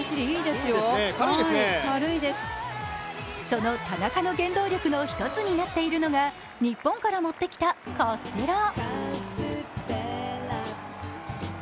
その田中の原動力の１つになっているのが日本から持ってきたカステラ。